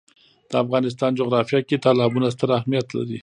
د افغانستان جغرافیه کې تالابونه ستر اهمیت لري.